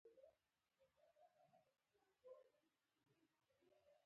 د سوسیال په پېسو هیڅ نه کېږي باید کار وکړو